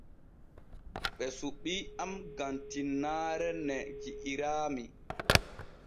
Ɓe suɓii am gam tinnaare ne ji'iraami.